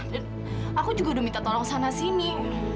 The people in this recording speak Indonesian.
dan aku juga udah minta tolong sana sini